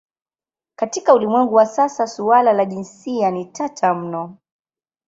Katika ulimwengu wa sasa suala la jinsia ni tata mno.